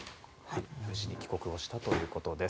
無事に帰国をしたということです。